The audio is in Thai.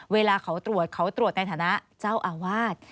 เวลาเขาตรวจเขาตรวจในฐานะเจ้าอาวาส